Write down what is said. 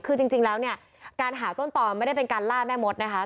คือจริงแล้วเนี่ยการหาต้นตอนไม่ได้เป็นการล่าแม่มดนะคะ